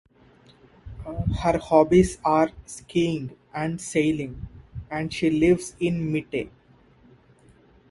Her hobbies are skiing and sailing and she lives in Mitte.